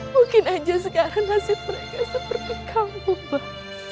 mungkin aja sekarang nasib mereka seperti kampung mbak